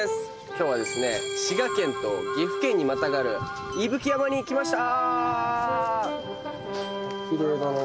きょうはですね滋賀県と岐阜県にまたがる伊吹山に来ました！